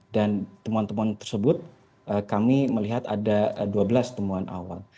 dan temuan temuan tersebut kami melihat ada dua belas temuan awal